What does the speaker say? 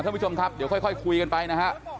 ท่านผู้ชมครับเดี๋ยวค่อยคุยกันไปนะฮะ